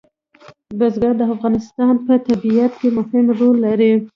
بزګان د افغانستان په طبیعت کې مهم رول لري.